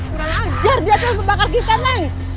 kurang ajar dia yang membakar kita neng